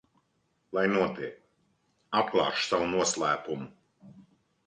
Lai notiek, atklāšu savu noslēpumu.